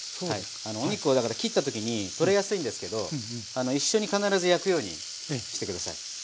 お肉をだから切った時に取れやすいんですけど一緒に必ず焼くようにして下さい。